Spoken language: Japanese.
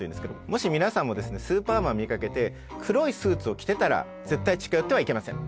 もし皆さんもスーパーマン見かけて黒いスーツを着てたら絶対近寄ってはいけません。